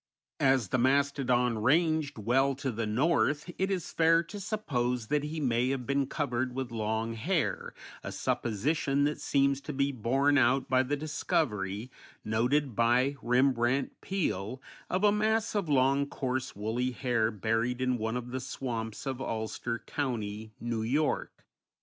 As the mastodon ranged well to the north it is fair to suppose that he may have been covered with long hair, a supposition that seems to be borne out by the discovery, noted by Rembrandt Peale, of a mass of long, coarse, woolly hair buried in one of the swamps of Ulster County, New York.